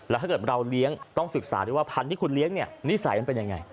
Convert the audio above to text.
แล้วถ้าเกิดเราเลี้ยงต้องศึกษาด้วยว่าพันธุ์ที่คุณเลี้ยงเนี่ยนิสัยมันเป็นยังไง